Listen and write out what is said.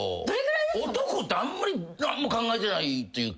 男ってあんまり何も考えてないというか。